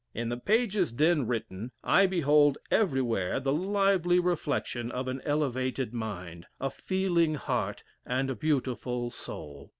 In the pages then written, I behold everywhere the lively reflection of an elevated mind, a feeling heart, and a beautiful soul.